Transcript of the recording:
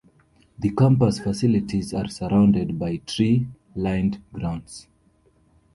The campus facilities are surrounded by tree-lined grounds.